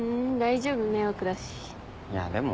いやでも。